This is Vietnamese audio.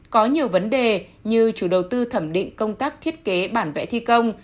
có nhiều vấn đề như chủ đầu tư thẩm định công tác thiết kế bản vẽ thi công